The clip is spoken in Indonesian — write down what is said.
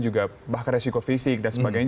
juga bahkan resiko fisik dan sebagainya